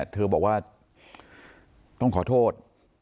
เธอบอกว่าต้องขอโทษ